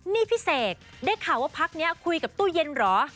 นี่พี่เสกได้ข่าวว่าพักนี้คุยกับตู้เย็นเหรอ